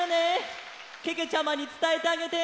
けけちゃまにつたえてあげて。